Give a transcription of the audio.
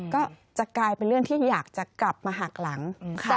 ก็จะกลายเป็นเรื่องที่อยากจะกลับมาหักหลังค่ะ